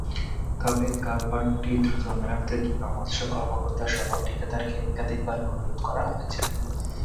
তবে কালভার্টটি দ্রুত মেরামতের জন্য মৎস্য কর্মকর্তাসহ ঠিকাদারকে একাধিকবার অনুরোধ করা হয়েছে।